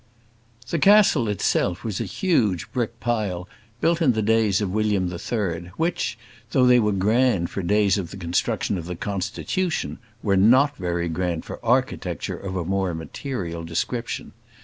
The castle itself was a huge brick pile, built in the days of William III, which, though they were grand for days of the construction of the Constitution, were not very grand for architecture of a more material description.